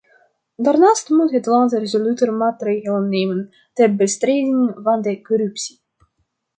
Daarnaast moet het land resoluter maatregelen nemen ter bestrijding van de corruptie.